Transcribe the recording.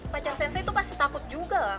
pacar sensei tuh pasti takut juga